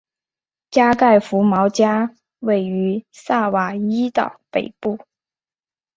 加盖福毛加位于萨瓦伊岛北部。